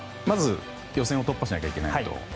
まず、予選を突破しなきゃいけないと。